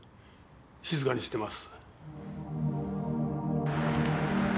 静かにしてます。